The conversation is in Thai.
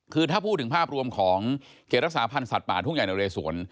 คือถ้าพูดถึงภาพรวมของเขตรักษาพันธ์สัตว์ป่าทุ่งใหญ่นะเรสวน